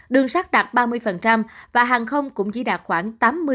đường sắt đạt ba mươi và hàng không cũng chỉ đạt khoảng tám mươi